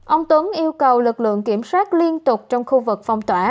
ông tuấn yêu cầu lực lượng kiểm soát liên tục trong khu vực phong tỏa